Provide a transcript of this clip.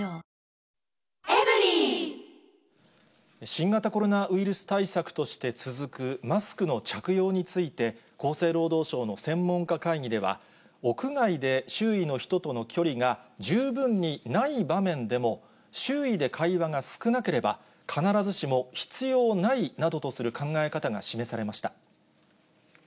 新型コロナウイルス対策として続くマスクの着用について、厚生労働省の専門家会議では、屋外で周囲の人との距離が十分にない場面でも、周囲で会話が少なければ、必ずしも必要ないなどとする考え方が示されました。